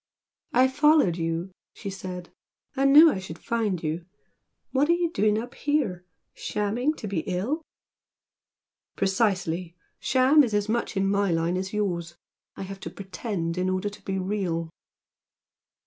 "I followed you" she said "I knew I should find you! What are you doing up here? Shamming to be ill?" "Precisely! 'Sham' is as much in my line as yours. I have to 'pretend' in order to be real!"